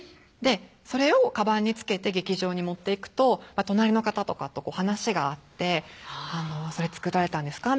それをカバンに着けて劇場に持っていくと隣の方とかと話が合って「それ作られたんですか？」